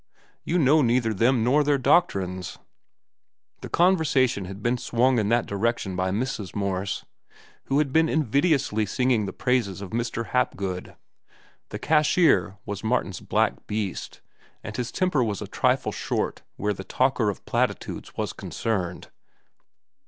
You know neither them nor their doctrines." The conversation had been swung in that direction by Mrs. Morse, who had been invidiously singing the praises of Mr. Hapgood. The cashier was Martin's black beast, and his temper was a trifle short where the talker of platitudes was concerned.